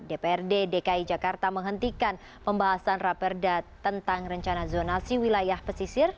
dprd dki jakarta menghentikan pembahasan raperda tentang rencana zonasi wilayah pesisir